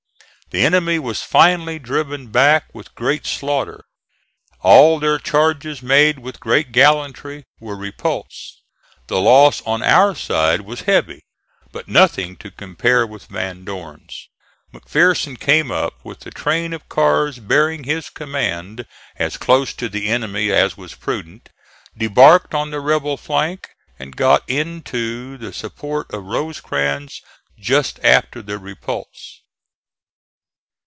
The enemy was finally driven back with great slaughter: all their charges, made with great gallantry, were repulsed. The loss on our side was heavy, but nothing to compare with Van Dorn's. McPherson came up with the train of cars bearing his command as close to the enemy as was prudent, debarked on the rebel flank and got in to the support of Rosecrans just after the repulse.